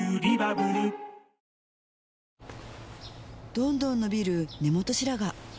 どんどん伸びる根元白髪